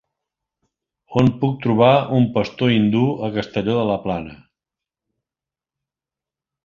On puc trobar un pastor hindú a Castelló de la Plana?